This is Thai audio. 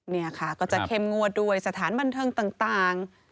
นี่ค่ะก็จะเข้มงวดด้วยสถานบันเทิงต่าง